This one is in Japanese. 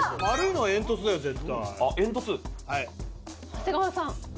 長谷川さん。